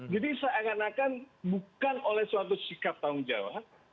jadi seakan akan bukan oleh suatu sikap tanggung jawab